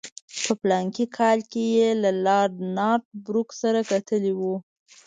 په فلاني کال کې یې له لارډ نارت بروک سره کتلي وو.